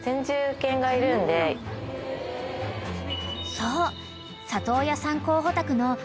［そう］